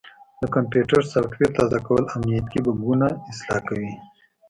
د کمپیوټر سافټویر تازه کول امنیتي بګونه اصلاح کوي.